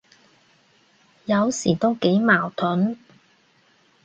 有時都幾矛盾，